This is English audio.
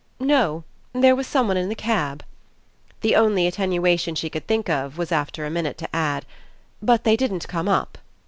"No there was some one in the cab." The only attenuation she could think of was after a minute to add: "But they didn't come up."